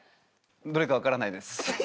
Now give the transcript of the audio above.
どれか分からないです。